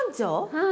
はい。